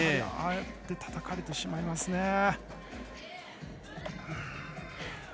ああやってたたかれてしまいますね。